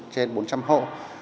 trên bốn trăm linh hộ